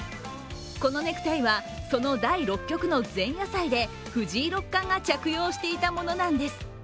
このネクタイは、その第６局の前夜祭で藤井六冠が着用していたものなんです。